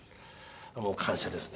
もう感謝ですね。